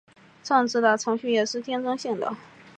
政治的程序也是竞争性的。